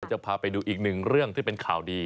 จะพาไปดูอีกหนึ่งเรื่องที่เป็นข่าวดี